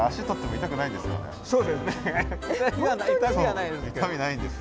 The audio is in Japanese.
痛みないんですよ。